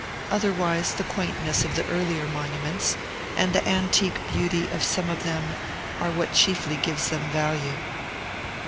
Otherwise, the quaintness of the earlier monuments, and the antique beauty of some of them, are what chiefly gives them value.